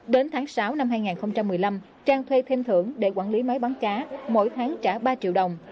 đến tháng sáu năm hai nghìn một mươi năm trang thuê thêm thưởng để quản lý máy bán cá mỗi tháng trả ba triệu đồng